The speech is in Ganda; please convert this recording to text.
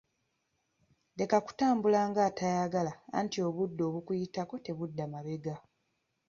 Leka kutambula nga atayagala anti obudde obukuyitako tebudda mabega.